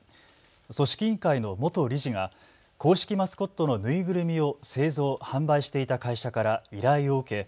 組織委員会の元理事が公式マスコットの縫いぐるみを製造・販売していた会社から依頼を受け